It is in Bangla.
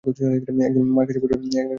একদিন মার কাছে ধরা পড়িয়া যায়।